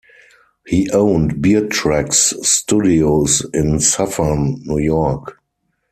He owned BearTracks Studios in Suffern, New York.